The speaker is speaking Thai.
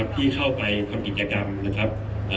ที่เข้าไปทำกิจกรรมนะครับ